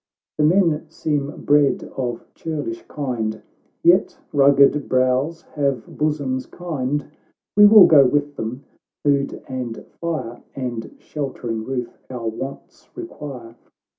The men seem bred of churlish kind, Yet rugged brows have bosoms kind ; We will go with them— food and fire And sheltering roof our wants require.